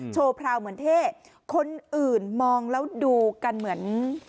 พราวเหมือนเท่คนอื่นมองแล้วดูกันเหมือน